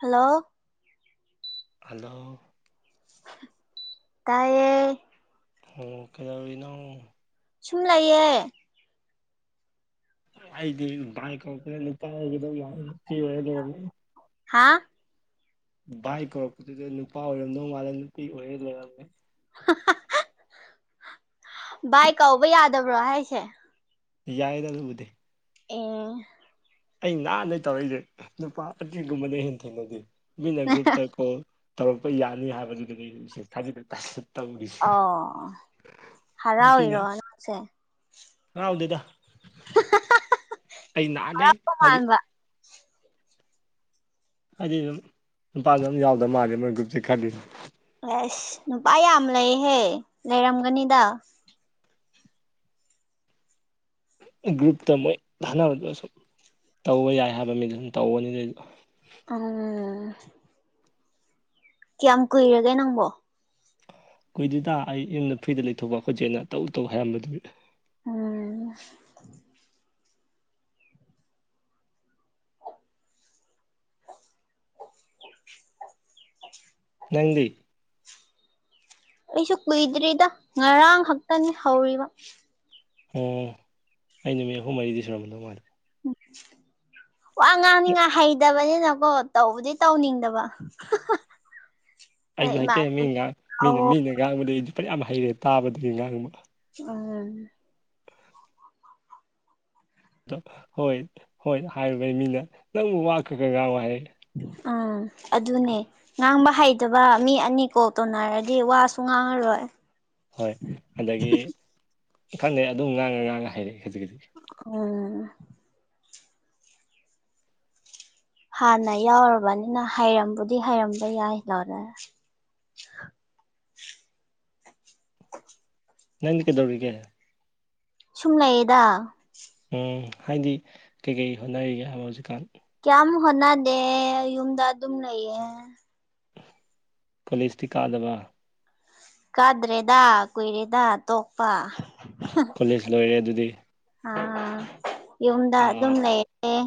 hello hello ꯇꯥꯏꯌꯦ ꯎꯝ ꯀꯩꯗꯧꯔꯤꯅ ꯁꯨꯝꯂꯩꯌꯦ ꯑꯩꯥꯏꯗꯤꯥꯏ ꯀ ꯇ [unintelligible] ꯍꯥꯥ ꯚꯥꯏ ꯀꯧꯔꯛꯄꯗꯨꯗ ꯅꯨꯄꯥ ꯑꯣꯏꯔꯝꯗꯧ ꯃꯥꯜꯂꯦ ꯅꯨꯄꯤ ꯑꯣꯏꯔ ꯂꯩꯔꯝꯃꯦ ꯑꯍꯥ ꯍꯥ ꯍ ꯚꯥꯏ ꯀꯧꯕ ꯌꯥꯗꯕ꯭ꯔꯣ ꯍꯥꯏꯁꯦ ꯌꯥꯏꯗ ꯑꯗꯨꯕꯨꯗꯤ ꯑꯦ ꯑꯩ ꯅꯍꯥꯟꯗꯩ ꯇꯧꯔꯩꯖꯦ ꯅꯨꯄꯥ ꯑꯅꯤ ꯒꯨꯝꯕꯗꯩꯩ ꯍꯦꯟꯅ ꯊꯦꯡꯅꯗꯦ ꯃꯤꯅ ꯒ꯭ꯔꯨꯞꯇ ꯀꯣꯜ ꯇꯧꯔꯛꯄ ꯌꯥꯅꯤ ꯍꯥꯏꯕꯗꯨꯗꯗꯤ ꯃꯦꯁꯦꯖ ꯊꯥꯖꯤꯜꯂ ꯊꯥꯖꯤꯜ ꯑꯣ ꯅꯨꯄꯤꯅꯦ ꯍꯔꯥꯎꯔꯤꯔꫭ ꯅꯪꯁꯦ ꯍꯔꯥꯎꯗꯦꯗ ꯑꯩ ꯅꯍꯥꯟꯗꯩꯩ ꯍꯔꯥꯎꯕ ꯍꯥꯏꯗꯤ ꯃꯥꯟꯕ ꯍꯥꯏꯗꯤ ꯑꯗꯨꯝ ꯅꯨꯄꯥꯗꯤ ꯑꯝ ꯌꯥꯎꯗ ꯃꯥꯜꯂꯦ ꯃꯣꯏ ꯒ꯭ꯔꯨꯞꯁꯦ ꯈꯜꯂꯤ ꯑꯦꯁ ꯅꯨꯄꯥ ꯌꯥꯝ ꯂꯩꯍꯦ ꯂꯩꯔꯝꯒꯅꯤꯗ ꯒ꯭ꯔꯨꯞꯇ ꯃꯣꯏ ꯊꯥꯟꯅꯕꯗꯨ ꯁꯨꯝ ꯇꯧꯕ ꯌꯥꯏ ꯍꯥꯏꯕ ꯃꯤꯗꯨ ꯁꯨꯝ ꯇꯧꯕꯅꯤ ꯑꯩꯖꯨ ꯎꯝ ꯀꯌꯥꯝ ꯀꯨꯏꯔꯒꯦ ꯅꯪꯕꯣ ꯀꯨꯏꯗꯤꯗ ꯑꯩ ꯌꯨꯝꯗ ꯐ꯭ꯔꯤꯗ ꯂꯩꯊꯣꯛꯄ ꯑꯩꯈꯣꯏ ꯆꯦꯅ ꯇꯧ ꯇꯧ ꯍꯥꯏꯔꯝꯕ ꯑꯗꯨꯒꯤ ꯎꯝ ꯅꯪꯗꯤ ꯑꯩꯁꯨ ꯀꯨꯏꯗ꯭ꯔꯤꯗ ꯉꯔꯥꯡ ꯈꯛꯇꯅꯤ ꯍꯧꯔꯤꯕ ꯎꯝ ꯑꯩ ꯅꯨꯃꯤꯠ ꯑꯍꯨꯝ ꯃꯔꯤꯗꯤ ꯁꯨꯔꯝꯃꯗꯧ ꯃꯥꯜꯂꯦ ꯋꯥ ꯉꯥꯡꯅꯤꯡꯉ ꯍꯩꯇꯕꯅꯤꯅꯀꯣ ꯇꯧꯕꯗꯤ ꯇꯧꯅꯤꯡꯗꯕ ꯍꯍ ꯑꯩꯖꯨ ꯍꯩꯇꯦ ꯃꯤ ꯉꯥꯡ ꯃꯤꯅ ꯀꯧꯋꯣ ꯃꯤꯅ ꯉꯥꯡꯕꯗꯩꯩ ꯑꯩꯖꯨ ꯐꯩꯅꯌꯥꯝ ꯍꯩꯔꯦ ꯇꯥꯕꯗꯩꯩ ꯉꯥꯡꯕ ꯑꯪ ꯇ ꯍꯣꯏ ꯍꯣꯏ ꯍꯥꯏꯔꯨꯕꯩ ꯃꯤꯅ ꯅꯪꯕꯨ ꯋꯥ ꯈꯔ ꯈꯔ ꯉꯥꯡꯉꯣ ꯍꯥꯏꯔꯑꯦ ꯑ ꯑꯗꯨꯅꯦ ꯉꯥꯡꯕ ꯍꯩꯇꯕ ꯃꯤ ꯑꯅꯤ ꯀꯣꯜ ꯇꯣꯅꯔꯗꯤ ꯋꯥꯁꯨ ꯉꯥꯡꯉꯔꯣꯏ ꯍꯣꯏ ꯑꯗꯒꯤ ꯈꯪꯗꯦ ꯑꯗꯨꯝ ꯉꯥꯡꯉ ꯉꯥꯡꯉ ꯍꯩꯔꯛꯑꯦ ꯈꯖꯤꯛ ꯈꯖꯤꯛ ꯑ ꯍꯥꯟꯅ ꯌꯥꯎꯔꯕꯅꯤꯅ ꯍꯩꯔꯝꯕꯨꯗꯤ ꯍꯩꯔꯝꯕ ꯌꯥꯏ [unintelligible] [inaudible] ꯅꯪꯗꯤ ꯀꯩꯗꯧꯔꯤꯒꯦ ꯁꯨꯝ ꯂꯩꯌꯦꯗ ꯎꯝ ꯍꯥꯏꯗꯤ ꯀꯩꯀꯩ ꯍꯣꯠꯅꯔꯤꯒꯦ ꯍꯥꯏꯕ ꯍꯧꯖꯤꯛꯀꯥꯟ ꯀ꯭ꯌꯥꯝ ꯍꯣꯠꯅꯗꯦ ꯌꯨꯝꯗ ꯑꯗꯨꯝ ꯂꯩꯌꯦ ꯀꯣꯂꯦꯁꯇꯤ ꯀꯥꯗꯕ ꯀꯥꯗ꯭ꯔꯦꯗꯥ ꯀꯨꯏꯔꯦꯗꯥ ꯇꯣꯛꯄ ꯀꯣꯂꯦꯁ ꯂꯣꯏꯔꯦ ꯑꯗꯨꯗꯤ ꯑꯥ ꯌꯨꯝꯗ ꯑꯗꯨꯝ ꯑꯥ ꯂꯩ ꯑꯦ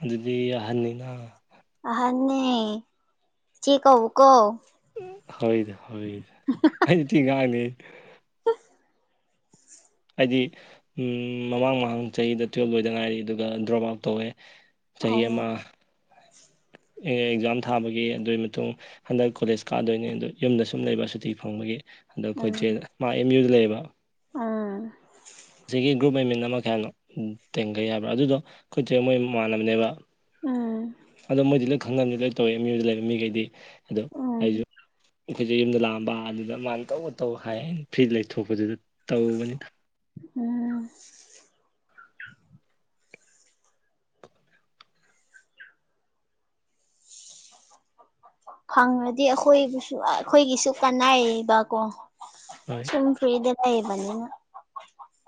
ꯑꯗꯨꯗꯤ ꯑꯍꯟꯅꯤꯅꯥ ꯑꯍꯟꯅꯦ ꯆꯦ ꯀꯧ ꯀꯣ ꯍꯣꯏꯗ ꯍꯣꯏꯗ ꯑꯩ ꯅꯨꯡꯇꯤꯒꯤ ꯉꯥꯡꯅꯦ [unintelligible] ꯑꯩꯗꯤ ꯎꯝ ꯃꯃꯥꯡ ꯃꯃꯥꯡ ꯆꯍꯤꯗ ꯇꯨꯌꯦꯜꯕ ꯂꯣꯏꯗ ꯉꯥꯏꯔꯤ ꯑꯗꯨꯒ ꯗ꯭ꯔꯣꯞ ꯑꯥꯎꯠ ꯇꯧꯋꯦ ꯆꯍꯤ ꯑꯣ ꯑꯃ ꯑꯦꯛꯖꯥꯝ ꯊꯥꯕꯒꯤ ꯑꯗꯨꯏ ꯃꯇꯨꯡ ꯍꯟꯗꯛ ꯀꯣꯂꯦꯖ ꯀꯥꯗꯣꯏꯅꯦ ꯑꯗꯨ ꯌꯨꯝꯗ ꯁꯨꯝ ꯂꯩꯕ ꯁꯨꯇꯤ ꯐꯪꯕꯒꯤ ꯍꯟꯗꯛ ꯑꯩꯈꯣꯏꯆꯦ ꯎꯝ ꯃꯥ ꯑꯦꯝ ꯌꯨꯗ ꯂꯩꯌꯦꯕ ꯎꯝ ꯆꯦꯒꯤ ꯒ꯭ꯔꯨꯞ ꯑꯦꯗꯃꯤꯟ ꯑꯃ ꯀꯩ ꯍꯥꯏꯕꯅꯣ ꯇꯦꯡꯒꯩ ꯍꯥꯏꯕ꯭ꯔꯥ ꯑꯗꯨꯗꯣ ꯈꯣꯏ ꯆꯦ ꯃꯣꯏ ꯃꯃꯥꯟꯅꯕꯅꯦꯕ ꯎꯝ ꯑꯗꯣ ꯃꯣꯏꯗꯤ ꯂꯣꯏ ꯈꯪꯅꯕꯅꯤꯅ ꯂꯣꯏ ꯇꯧꯋꯦ ꯑꯦꯝ ꯌꯨꯗ ꯂꯩꯕ ꯃꯤꯒꯩꯗꯤ ꯑꯗꯣ ꯑꯩꯖꯨ ꯎꯝ ꯑꯩꯈꯣꯏꯆꯦ ꯌꯨꯝꯗ ꯂꯥꯛꯑꯝꯕ ꯑꯗꯨꯗ ꯃꯥꯅ ꯇꯧꯋꯣ ꯇꯧ ꯍꯥꯏ ꯐ꯭ꯔꯤꯗ ꯂꯩꯊꯣꯛꯄꯗꯨꯗ ꯇꯧꯕꯅꯤꯗ ꯎꯝ ꯐꯪꯔꯗꯤ ꯑꯩꯈꯣꯏꯕꯨꯁꯨ ꯑꯩꯈꯣꯏꯒꯤꯁꯨ ꯀꯅꯥꯏꯌꯦꯕꯀꯣ ꯍꯣꯏ [unintelligible] ꯐ꯭ꯔꯤꯗ ꯂꯩꯕꯅꯤꯅ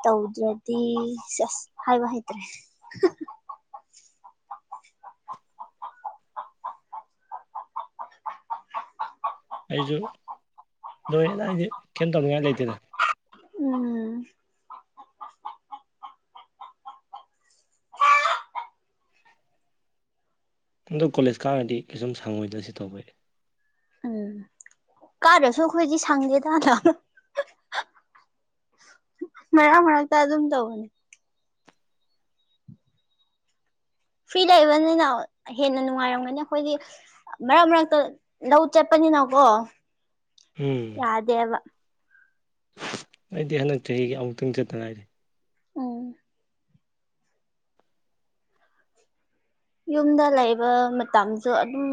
ꯇꯧꯗ꯭ꯔꯗꯤ ꯁꯁ ꯍꯥꯏꯕ ꯍꯩꯇ꯭ꯔꯦ ꯍꯍ [unintelligible] ꯑꯩꯁꯨ ꯂꯣꯏꯔꯦꯗꯥꯏꯗꯤ ꯀꯩꯝ ꯇꯧꯅꯤꯡꯉꯥꯏ ꯂꯩꯇꯦꯗ ꯎꯝ ꯑꯗꯣ ꯀꯣꯂꯦꯖ ꯀꯥꯔꯒꯗꯤ ꯀꯩꯁꯨꯝ ꯁꯪꯉꯣꯏꯗ ꯁꯤ ꯇꯧꯕꯩ ꯎꯝ ꯀꯥꯗ꯭ꯔꯁꯨ ꯑꯈꯣꯏꯗꯤ ꯁꯪꯗꯦꯗꯥ ꯃꯔꯛ ꯃꯔꯛꯇ ꯑꯗꯨꯝ ꯇꯧꯕꯅꯤ ꯐ꯭ꯔꯤ ꯂꯩꯕꯅꯤꯅ ꯍꯦꯟꯅ ꯅꯨꯡꯉꯥꯏꯔꯝꯒꯅꯤ ꯑꯩꯈꯣꯏꯗꯤ ꯃꯔꯛ ꯃꯔꯛꯇ ꯂꯧ ꯆꯠꯄꯅꯤꯅꯀꯣ ꯎꯝ ꯌꯥꯗꯦꯕ ꯑꯩꯗꯤ ꯍꯟꯗꯛ ꯆꯍꯤꯒꯤ ꯑꯃꯨꯛꯇꯪ ꯆꯠꯇ ꯉꯥꯏꯔꯤ ꯎꯝ ꯌꯨꯝꯗ ꯂꯩꯕ ꯃꯇꯝꯖꯨ ꯑꯗꯨꯝ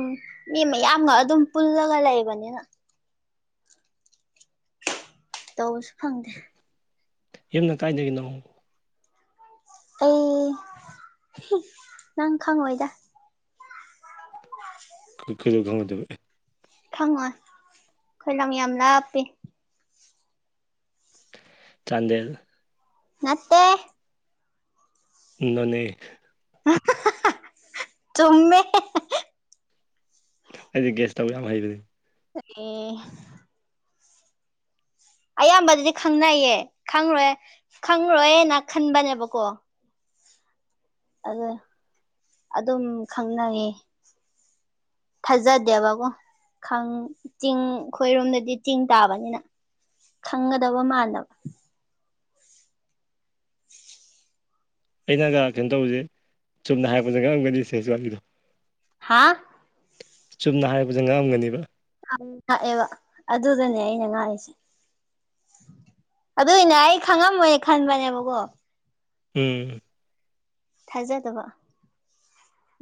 ꯃꯤ ꯃꯌꯥꯝꯒ ꯑꯗꯨꯝ ꯄꯨꯜꯂꯒ ꯂꯩꯕꯅꯤꯅ ꯇꯧꯕꯁꯨ ꯐꯪꯗꯦ ꯌꯨꯝꯅ ꯀꯥꯏꯗꯒꯤꯅꯣ ꯑꯩ ꯍꯤ ꯅꯪ ꯈꯪꯉꯣꯏꯗ [inaudible] ꯈꯔꯁꯨ ꯈꯪꯉꯗꯕ ꯑꯦ ꯈꯪꯉꯣꯏ ꯑꯩꯈꯣꯏ ꯂꯝ ꯌꯥꯝ ꯂꯥꯞꯄꯤ ꯆꯥꯟꯗꯦꯜ ꯅꯠꯇꯦ ꯅꯣꯅꯦ ꯆꯨꯝꯃꯦ ꯑꯩꯗꯤ ꯒꯦꯁ ꯇꯧꯕ ꯌꯥꯝ ꯍꯩꯕꯅꯤ ꯊꯛꯑꯦ ꯑꯌꯥꯝꯕꯗꯗꯤ ꯈꯪꯅꯩꯌꯦ ꯈꯪꯪꯔꯣꯏ ꯈꯪꯔꯣꯏꯌꯦꯅ ꯈꯟꯕꯅꯦꯕꯀꯣ ꯑ ꯑꯗꯨꯝ ꯈꯪꯅꯩꯌꯦ ꯊꯖꯥꯗꯦꯕꯕꯣ ꯈꯪ ꯆꯤꯡ ꯑꯩꯈꯣꯏꯔꯣꯝꯗꯗꯤ ꯆꯤꯡ ꯇꯥꯕꯅꯤꯅ ꯈꯪꯒꯗꯕ ꯃꯥꯟꯗꯕ ꯑꯩꯅꯒ ꯀꯩꯅꯣ ꯇꯧꯕꯁꯦ ꯆꯨꯝꯅ ꯍꯥꯏꯔꯛꯄꯁꯦ ꯉꯥꯡꯔꯝꯒꯅꯤ ꯁꯦꯁ ꯋꯥꯠꯂꯤꯗꯣ ꯍꯥ ꯆꯨꯝꯅ ꯍꯥꯏꯕꯗ ꯉꯛꯑꯝꯒꯅꯤꯕ ꯉꯛꯑꯦꯕ ꯑꯗꯨꯗꯅꯦ ꯑꯩꯅ ꯉꯥꯡꯉꯤꯁꯦ ꯑꯗꯨꯏꯅ ꯑꯩ ꯈꯪꯉꯝꯃꯣꯏꯅꯦ ꯈꯟꯕꯅꯦꯕꯀꯣ ꯎꯝ ꯊꯥꯖꯗꯕ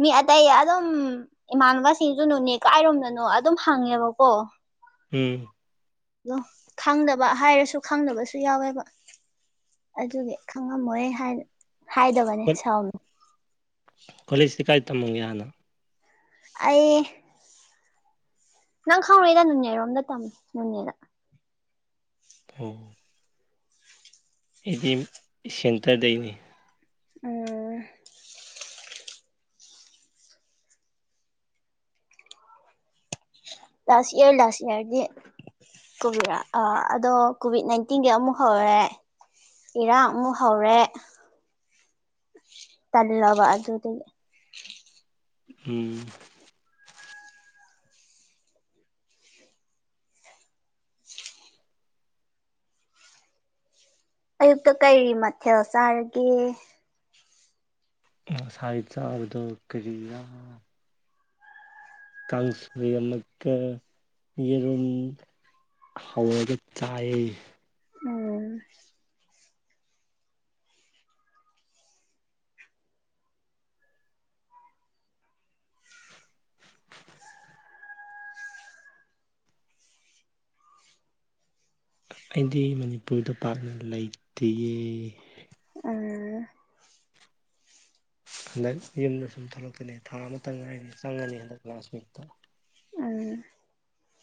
ꯃꯤ ꯑꯇꯩ ꯑꯗꯨꯝ ꯏꯃꯥꯟꯅꯕꯁꯤꯡꯁꯨꯅꯦ ꯀꯥꯏꯔꯣꯝꯗꯅꯣ ꯑꯗꯨꯝ ꯍꯪꯉꯦꯕꯀꯣ ꯎꯝ ꯑꯗꯣ ꯈꯪꯗꯕ ꯍꯥꯏꯔꯁꯨ ꯈꯪꯗꯕꯁꯨ ꯌꯥꯎꯋꯦꯕ ꯑꯗꯨꯒꯤ ꯈꯪꯉꯝꯃꯣꯏ ꯍꯥꯏꯗꯕꯅꯦ ꯁꯥꯎꯅꯨ ꯀꯣꯂꯦꯖꯇꯤ ꯀꯥꯏ ꯇꯝꯃꯒꯦ ꯍꯥꯟꯅ ꯑꯩ ꯅꯪ ꯈꯪꯔꯣꯏꯗ ꯅꯣꯅꯦꯔꯣꯝꯗ ꯇꯝꯃꯤ ꯅꯣꯅꯦꯗ ꯑꯣ ꯑꯩꯗꯤ ꯁꯦꯟꯇꯔꯗꯩꯅꯤ ꯎꯝ ꯂꯥꯁ ꯏꯔ ꯂꯥꯁ ꯏꯔꯗꯤ ꯀꯣꯚꯤꯠ ꯑꯗꯣ ꯀꯣꯚꯤꯠ ꯅꯥꯏꯟꯇꯤꯟꯒꯤ ꯑꯃꯨꯛ ꯍꯧꯔꯦ ꯏꯔꯥꯡ ꯑꯃꯨꯛ ꯍꯧꯔꯦ ꯇꯜꯂꯕ ꯑꯗꯨꯗꯤ ꯎꯝ ꯑꯌꯨꯛꯇ ꯀꯔꯤ ꯃꯊꯦꯜ ꯆꯥꯔꯒꯦ ꯉꯁꯥꯏ ꯆꯥꯒꯤꯗꯨ ꯀꯔꯤꯔ ꯀꯥꯡꯁꯣꯢ ꯑꯃꯨꯛꯀ ꯌꯦꯔꯨꯝ ꯍꯧꯔꯒ ꯆꯥꯏ ꯎꯝ ꯑꯩꯗꯤ ꯃꯅꯤꯄꯨꯔꯗ ꯄꯥꯛꯅ ꯂꯩꯇꯤꯌꯦ ꯑ ꯍꯟꯗꯛ ꯌꯨꯝꯗ ꯁꯨꯝ ꯊꯣꯛꯂꯛꯀꯅꯤ ꯊꯥ ꯑꯃꯇ ꯉꯥꯏꯅꯤ ꯆꯪꯉꯅꯤ ꯍꯟꯗꯛ ꯂꯥꯁꯃꯤꯠꯇ ꯎꯝ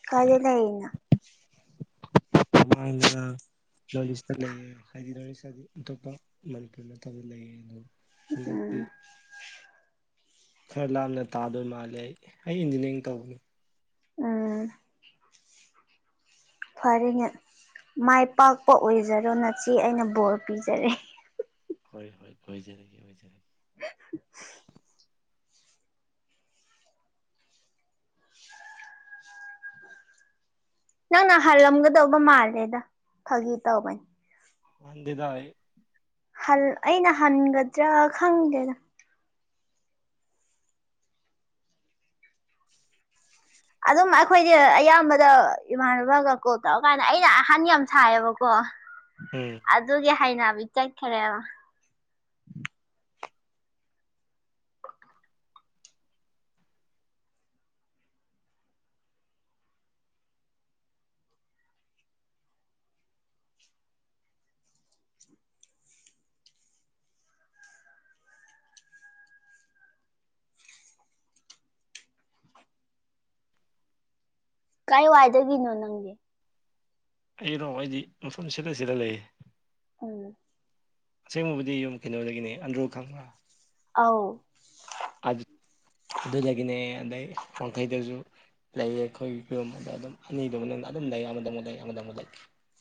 ꯀꯥꯏꯗ ꯂꯩꯔꯤꯅꯣ [unintelligible] ꯅꯣꯔꯠ ꯏꯁꯇ ꯂꯩꯌꯦ ꯍꯥꯏꯗꯤ ꯅꯣꯠ ꯏꯁꯇꯗꯤ ꯑꯇꯣꯞꯄ ꯃꯅꯤꯄꯨꯔ ꯅꯠꯇꯕ ꯂꯩꯌꯦ ꯑꯗꯨꯝ ꯍꯟꯗꯛꯇꯗꯤ ꯎꯝ ꯈꯔ ꯂꯥꯞꯅ ꯇꯥꯗꯣꯏ ꯃꯥꯜꯂꯦ ꯑꯩ ꯑꯩ ꯏꯟꯖꯤꯅꯤꯌꯥꯔꯤꯡ ꯇꯧꯕꯅꯦ ꯎꯝ [inaudible] ꯐꯔꯦꯅꯦ ꯃꯥꯏ ꯄꯥꯛꯄ ꯑꯣꯏꯖꯔꯣ ꯅꯆꯦ ꯑꯩꯅ ꯕꯣꯔ ꯄꯤꯖꯔꯤ ꯍꯣꯏ ꯍꯣꯏ ꯑꯣꯏꯖꯔꯒꯦ ꯑꯣꯏꯖꯔꯒꯦ ꯅꯪꯅ ꯍꯜꯂꯝꯒꯗꯧꯕ ꯃꯥꯜꯂꯦꯗ ꯐꯥꯒꯤ ꯇꯧꯕꯅꯤ ꯍꯟꯗꯦꯗ ꯑꯩ ꯍꯜ ꯑꯩꯅ ꯍꯟꯒꯗ꯭ꯔꯥ ꯈꯪꯗꯦꯗ ꯑꯗꯨꯝ ꯑꯩꯈꯣꯏꯗꯤ ꯑꯌꯥꯝꯕꯗ ꯏꯃꯥꯟꯅꯕꯒ ꯀꯣꯜ ꯇꯧꯔꯀꯥꯟꯗ ꯑꯩꯅ ꯑꯍꯟ ꯌꯥꯝ ꯁꯥꯏꯌꯦꯕꯀꯣ ꯎꯝ ꯑꯗꯨꯒꯤ ꯍꯩꯅꯕꯤ ꯆꯠꯈ꯭ꯔꯦꯕ ꯀꯥꯏ ꯋꯥꯏꯗꯗꯒꯤꯅꯣ ꯅꯪꯗꯤ ꯑꯩꯔꯣ ꯑꯩꯗꯤ ꯃꯐꯝ ꯁꯤꯜꯂ ꯁꯤꯜꯂ ꯂꯩꯌꯦ ꯎꯝ ꯑꯁꯦꯡꯕꯕꯨꯗꯤ ꯌꯨꯝ ꯀꯩꯅꯣꯗꯒꯤꯅꯤ ꯑꯟꯗ꯭ꯔꯣ ꯈꯪꯕ꯭ꯔꯥ ꯑꯧ ꯑꯗꯨ ꯑꯗꯨꯗꯒꯤꯅꯦ ꯑꯗꯩ ꯋꯥꯡꯈꯩꯗꯁꯨ ꯂꯩꯌꯦ ꯑꯩꯈꯣꯏꯒꯤ ꯐꯤꯕꯝ ꯑꯗꯨꯗ ꯑꯗꯨꯝ ꯑꯅꯤꯗꯨ ꯃꯅꯨꯡꯗ ꯑꯗꯨꯝ ꯂꯩ ꯑꯃꯗ ꯃꯨꯛ ꯂꯩ ꯑꯃꯗꯃꯨꯛ ꯂꯩ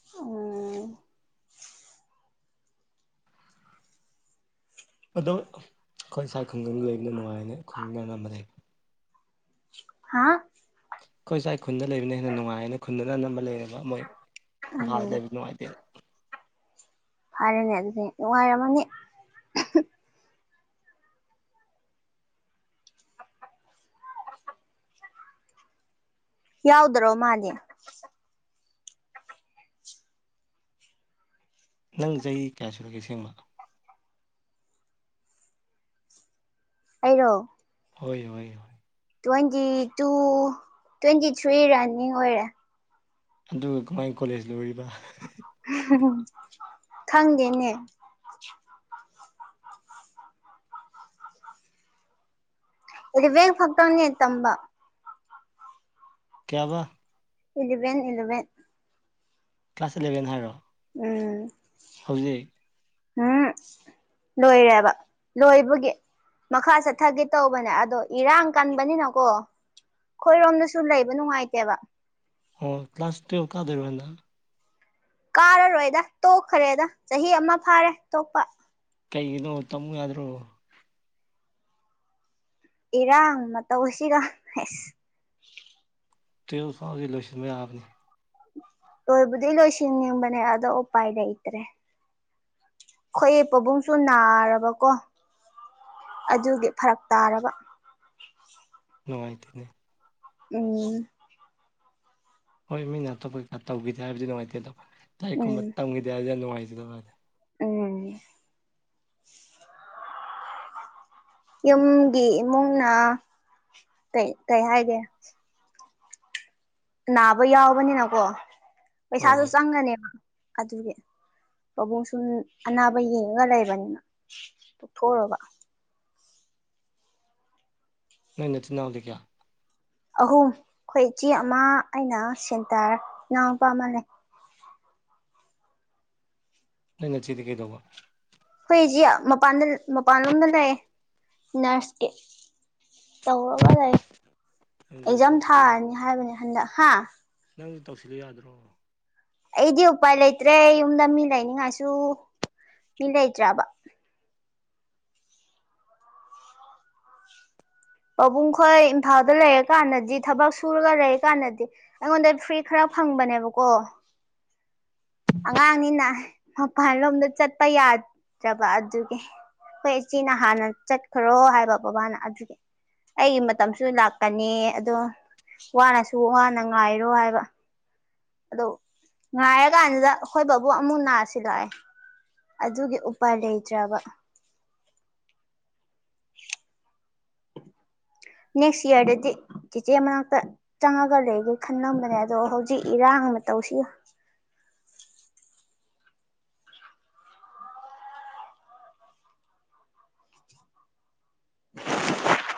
ꯑꯣ ꯑꯗꯣ ꯑꯈꯣꯏ ꯁꯥꯏ ꯈꯨꯡꯒꯪ ꯂꯩꯕꯅ ꯅꯨꯡꯉꯥꯏꯕꯅꯦ ꯈꯨꯡꯒꯪ [unintelligible] ꯍꯥ ꯑꯩꯈꯣꯏ ꯁꯥꯏ ꯈꯨꯟꯗ ꯂꯩꯕꯅ ꯍꯦꯟꯅ ꯅꯨꯡꯉꯥꯏꯌꯦꯅ ꯈꯨꯟꯗꯅ ꯑꯅꯝꯕ ꯂꯩꯔꯕ ꯃꯣꯏ ꯏꯝꯐꯥꯜꯗ ꯎꯝ ꯂꯩꯕ ꯅꯨꯡꯉꯥꯏꯇꯦ ꯐꯔꯦꯅꯦ ꯑꯗꯨꯗꯤ ꯅꯨꯡꯉꯥꯏꯔꯝꯃꯅꯤ [unintelligible] ꯌꯥꯎꯗ꯭ꯔꯣ ꯃꯥꯜꯂꯤ ꯅꯪ ꯆꯍꯤ ꯀꯌꯥ ꯁꯨꯔꯒꯦ ꯁꯦꯡꯕ ꯑꯩꯔꯣ ꯍꯣꯏ ꯍꯣꯏꯣ ꯍꯣꯏ ꯇ꯭ꯋꯦꯟꯇꯤ ꯇꯨ ꯑꯗꯨꯒ ꯀꯃꯥꯏ ꯀꯣꯂꯦꯖ ꯂꯣꯏꯔꯤꯕ ꯈꯪꯗꯦꯗꯦꯅꯦ ꯑꯦꯂꯦꯕꯦꯟꯐꯧ ꯇꯪꯅꯦ ꯇꯝꯕ ꯀꯌꯥꯕ ꯏꯜꯂꯕꯦꯟ ꯏꯜꯂꯕꯦꯟ ꯀ꯭ꯂꯥꯁ ꯏꯂꯕꯦꯟ ꯍꯥꯏꯔꯣ ꯎꯝ ꯍꯧꯖꯤꯛ ꯎꯝ ꯂꯣꯏꯔꯦꯕ ꯂꯣꯏꯕꯒꯤ ꯃꯈꯥ ꯆꯠꯊꯒꯦ ꯇꯧꯕꯅꯦ ꯑꯗꯣ ꯏꯔꯥꯡ ꯀꯟꯕꯅꯤꯅꯀꯣ ꯑꯩꯈꯣꯏꯔꯣꯝꯗꯁꯨ ꯂꯩꯕ ꯅꯨꯡꯉꯥꯏꯇꯦꯕ ꯑꯣ ꯀ꯭ꯂꯥꯁ ꯇꯨꯋꯦꯜ ꯀꯥꯗꯔꯣꯗꯅ ꯀꯥꯔꯔꯣꯏꯗ ꯇꯣꯛꯈ꯭ꯔꯦꯗ ꯆꯍꯤ ꯑꯃ ꯐꯥꯔꯦ ꯇꯣꯛꯄ ꯀꯩꯩꯅꯣ ꯇꯃ ꯌꯥꯗꯣ ꯏꯔꯥꯡ ꯃꯇꯧꯁꯤꯒ ꯑꯦꯁ ꯇꯨꯌꯦꯜꯞ ꯐꯥꯎꯗꯤ ꯂꯣꯏꯁꯤꯟꯕ ꯌꯥꯕꯅꯤ ꯂꯣꯏꯕꯨꯗꯤ ꯂꯣꯏꯁꯤꯟꯅꯤꯡꯕꯅꯦ ꯑꯗꯣ ꯎꯄꯥꯏ ꯂꯩꯇ꯭ꯔꯦ ꯈꯣꯌꯦ ꯄꯥꯕꯨꯡꯁꯨ ꯅꯥꯔꯕꯀꯣ ꯑꯗꯨꯒꯤ ꯐꯔꯛ ꯇꯥꯔꯕ ꯅꯨꯡꯉꯥꯏꯇꯦꯅꯦ ꯎꯝ ꯍꯣꯏ ꯃꯤꯅ ꯑꯇꯣꯞꯄ ꯀꯩꯀ ꯇꯧꯈꯤꯗꯦ ꯍꯥꯏꯕꯗꯤ ꯅꯨꯡꯉꯥꯏꯇꯦ ꯑꯗꯣ ꯎꯝ ꯂꯥꯏꯔꯤꯛꯀꯨꯝꯕ ꯇꯝꯒꯤꯗꯦ ꯍꯥꯏꯕꯁꯤ ꯌꯥꯝ ꯅꯨꯡꯉꯥꯏꯖꯗꯕ ꯍꯥꯏꯇ ꯎꯝ [inaudible] ꯌꯨꯝꯒꯤ ꯏꯃꯨꯡꯅꯩ ꯀꯩ ꯍꯥꯏꯒꯦ ꯅꯥꯕ ꯌꯥꯎꯕꯅꯤꯅꯀꯣ ꯍꯣꯏ ꯄꯩꯁꯥꯁꯨ ꯍꯣꯏ ꯆꯪꯒꯅꯦꯕ ꯑꯗꯨꯒꯤ ꯄꯥꯕꯨꯡ ꯁꯨꯝ ꯑꯅꯥꯕ ꯌꯦꯡꯉꯒ ꯂꯩꯕꯅꯤꯅ ꯇꯣꯛꯊꯣꯛꯔꯕ ꯅꯣꯏ ꯅꯆꯤꯟ ꯅꯅꯥꯎꯗꯤ ꯀꯌꯥ ꯑꯍꯨꯝ ꯑꯩꯈꯣꯏ ꯏꯆꯦ ꯑꯃ ꯑꯩꯅ ꯁꯦꯟꯇꯔ ꯏꯅꯥꯎꯄꯥ ꯑꯃ ꯂꯩ ꯅꯣꯏ ꯅꯆꯦꯗꯤ ꯀꯩꯗꯧꯕ ꯈꯣꯏ ꯏꯖꯦ ꯄꯥꯟꯗ ꯃꯄꯥꯟꯂꯣꯝꯗ ꯂꯩꯌꯦ ꯅꯔꯁꯀꯤ ꯇꯧꯔꯒ ꯂꯩ ꯅꯪꯁꯨ ꯑꯦꯛꯖꯥꯝ ꯇꯧꯁꯤꯜꯂꯨ ꯌꯥ ꯊꯥꯔꯅꯤ ꯍꯥꯏꯕꯅꯦ ꯍꯟꯗꯛ ꯍꯥ ꯅꯪꯁꯨ ꯇꯧꯁꯤꯜꯂꯣ ꯌꯥꯗ꯭ꯔꯣ ꯑꯩꯗꯤ ꯎꯄꯥꯏ ꯂꯩꯇ꯭ꯔꯦ ꯌꯨꯝꯗ ꯃꯤ ꯂꯩꯅꯤꯡꯉꯥꯏꯁꯨ ꯃꯤ ꯂꯩꯇ꯭ꯔꯕ ꯄꯥꯕꯨꯡ ꯈꯣꯏ ꯏꯝꯐꯥꯜꯗ ꯂꯩꯔꯀꯥꯟꯗꯗꯤ ꯊꯕꯛ ꯁꯨꯔꯒ ꯂꯩꯔ ꯀꯥꯟꯗꯗꯤ ꯑꯩꯉꯣꯟꯗ ꯐ꯭ꯔꯤ ꯈꯔ ꯐꯪꯕꯅꯦꯕꯀꯣ ꯑꯉꯥꯡꯅꯤꯅ ꯃꯄꯜꯂꯣꯝꯗ ꯆꯠꯄ ꯌꯥꯗ꯭ꯔꯕ ꯑꯗꯨꯒꯤ ꯑꯩꯈꯣꯏ ꯏꯆꯦꯅ ꯍꯥꯟꯅ ꯆꯠꯈ꯭ꯔꯣ ꯍꯥꯏꯕ ꯕꯕꯥꯅ ꯑꯗꯨꯒꯤ ꯑꯩꯒꯤ ꯃꯇꯝꯁꯨ ꯂꯥꯛꯀꯅꯤ ꯑꯗꯣ ꯋꯥꯅꯁꯨ ꯋꯥꯅ ꯉꯥꯏꯔꯣ ꯍꯥꯏꯕ ꯑꯗ ꯉꯥꯏꯔꯀꯥꯟꯁꯤꯗ ꯑꯩꯈꯣꯏ ꯕꯕꯨ ꯑꯃꯨꯛ ꯅꯥꯔꯁꯤ ꯂꯑꯦ ꯑꯗꯨꯒꯤ ꯎꯄꯥꯏ ꯂꯩꯇ꯭ꯔꯕ [unintelligible] [inaudible] ꯅꯦꯛꯁ ꯏꯌꯥꯔꯗꯗꯤ ꯆꯦꯆꯦ ꯃꯅꯥꯛꯇ ꯆꯪꯉꯒ ꯂꯩꯒꯦ ꯈꯟꯂꯝꯕꯅꯦ ꯑꯗꯣ ꯍꯧꯖꯤꯛ ꯏꯔꯥꯡ ꯑꯃ ꯇꯧꯁꯤ [unintelligible]